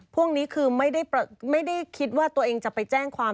พวกนี้คือไม่ได้คิดว่าตัวเองจะไปแจ้งความ